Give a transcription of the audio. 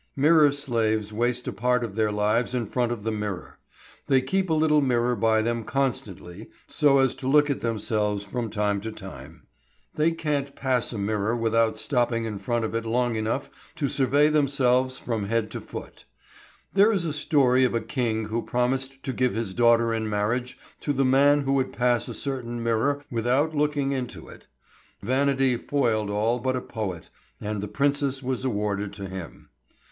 Mirror slaves waste a part of their lives in front of the mirror. They keep a little mirror by them constantly so as to look at themselves from time to time. They can't pass a mirror without stopping in front of it long enough to survey themselves from head to foot. There is a story of a king who promised to give his daughter in marriage to the man who would pass a certain mirror without looking into it. Vanity foiled all but a poet, and the princess was awarded to him.